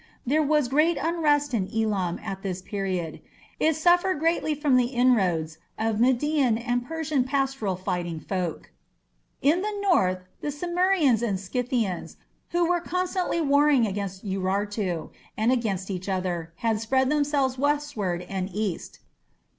There was great unrest in Elam at this period: it suffered greatly from the inroads of Median and Persian pastoral fighting folk. In the north the Cimmerians and Scythians, who were constantly warring against Urartu, and against each other, had spread themselves westward and east.